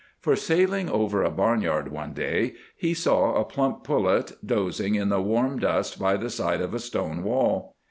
For, sailing over a barnyard one day, he saw a plump pullet dozing in the warm dust by the side of a stone wall.